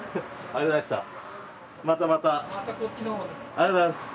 ありがとうございます。